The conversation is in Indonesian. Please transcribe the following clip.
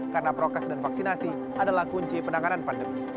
karena prokasi dan vaksinasi adalah kunci penanganan pandemi